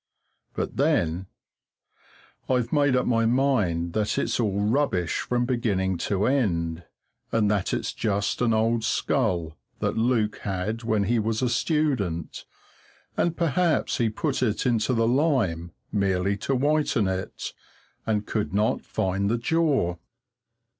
But then I've made up my mind that it's all rubbish from beginning to end, and that it's just an old skull that Luke had when he was a student; and perhaps he put it into the lime merely to whiten it, and could not find the jaw.